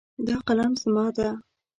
دا قلم زما ده